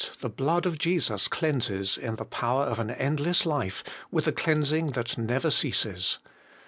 the blood of Jesus cleanses in the power of an endless life, with a cleansing that never ceases.